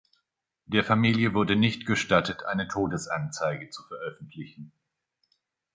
Der Familie wurde nicht gestattet, eine Todesanzeige zu veröffentlichen.